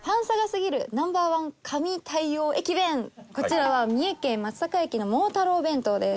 こちらは三重県松阪駅のモー太郎弁当です。